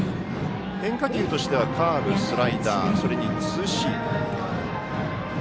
変化球としてはカーブ、スライダーそれにツーシーム。